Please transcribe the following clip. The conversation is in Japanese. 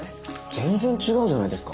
全然違うじゃないですか。